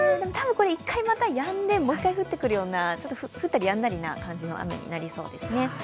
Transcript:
多分１回またやんで、また降ってくるような降ったりやんだりみたいな雨になりそうですね。